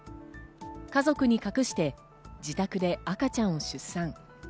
家族に隠して自宅で赤ちゃんを出産。